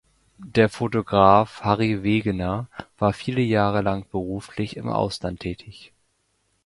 Der Fotograf Harry Wegener war viele Jahre lang beruflich im Ausland tätig.